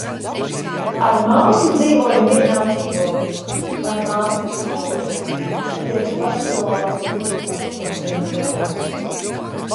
Ar māsu dzīvojam vienā dzīvoklī. Mana māsa ir skolotāja. Šodienas pašizolācija norit telefoncentrālē...